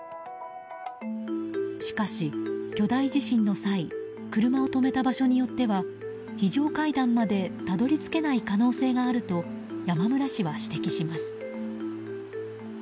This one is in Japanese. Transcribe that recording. しかし、巨大地震の際車を止めた場所によっては非常階段までたどり着けない可能性があると山村氏は指摘します。